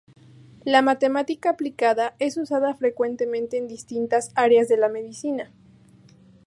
La matemática aplicada es usada frecuentemente en distintas áreas de la medicina.